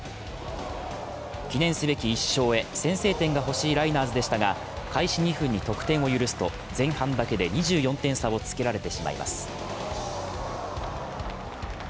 記念すべき１勝へ、先制点が欲しいライナーズでしがが開始２分に得点を許すと前半だけで２４点差をつけられてしまいます。